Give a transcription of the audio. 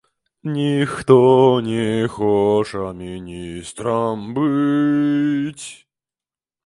Ніхто не хоча міністрам быць.